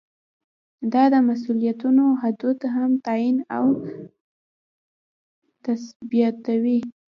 دا د مسؤلیتونو حدود هم تعین او تثبیتوي.